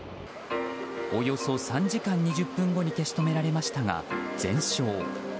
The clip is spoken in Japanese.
およそ３時間２０分後に消し止められましたが全焼。